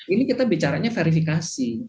ini kita bicaranya verifikasi